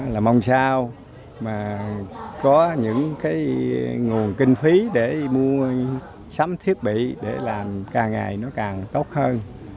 là mong sao mà có những cái nguồn kinh phí để mua sắm thiết bị để làm càng ngày nó càng tốt hơn